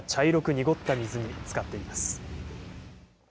濁った水につかっています。